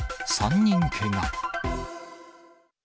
３人けが。